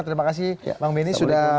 terima kasih bang benny sudah